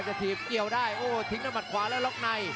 แชลเบียนชาวเล็ก